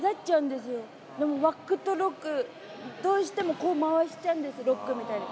でも、ワックとロック、どうしてもこう回しちゃうんです、ロックみたいに。